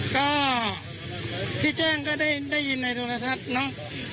ก็ที่แจ้งก็ได้ยินในสนทรัสเนาะ